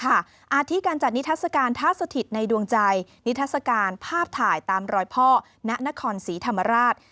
อาทิตย์การจัดนิทัศกาลท่าสถิตในดวงใจนิทัศกาลภาพถ่ายตามรอยพ่อณนครศรีธรรมราช